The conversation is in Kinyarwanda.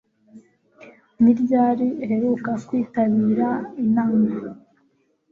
Ni ryari uheruka kwitabira inama